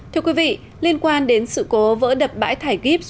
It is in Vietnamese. thưa quý vị liên quan đến sự cố vỡ đập bãi thải gibbs